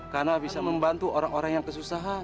karena bisa membantu orang orang yang kesusahan